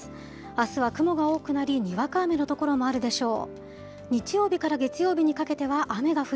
あすは雲が多くなり、にわか雨の所もあるでしょう。